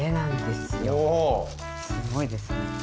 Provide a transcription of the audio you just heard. すごいですよね。